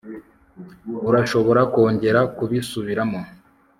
urashobora kongera kubisubiramo